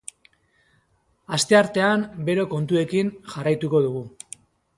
Asteartean bero kontuekin jarraituko dugu.